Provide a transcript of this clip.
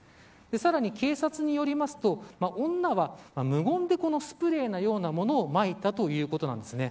さらに警察によると女は無言でスプレーのようなものをまいたということなんです。